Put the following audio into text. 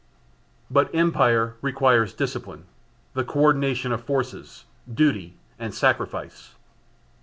But empire requires discipline, the coordination of forces, duty and sacrifice.